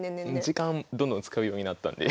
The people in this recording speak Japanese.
時間どんどん使うようになったんで。